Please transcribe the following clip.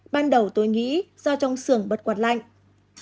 ban đầu tôi nghĩ do trong xưởng bật quạt lạnh